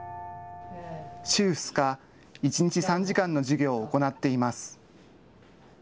週２日、一日３時間の授業を行っています。